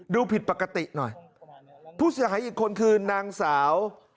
ดูผิดปกติหน่อยผู้เสียหายอีกคนคือนางสาว